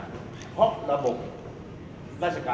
มันเป็นสิ่งที่เราไม่รู้สึกว่า